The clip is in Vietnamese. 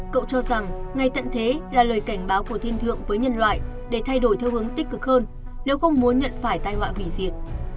cậu cho rằng ngay tận thế là lời cảnh báo của thiên thượng với nhân loại để thay đổi theo hướng tích cực hơn nếu không muốn nhận phải tai họa hủy diệt